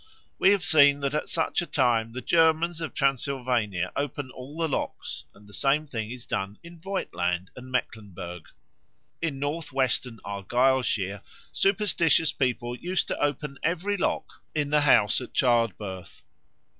We have seen that at such a time the Germans of Transylvania open all the locks, and the same thing is done also in Voigtland and Mecklenburg. In North western Argyllshire superstitious people used to open every lock in the house at childbirth.